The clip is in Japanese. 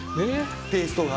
テーストが。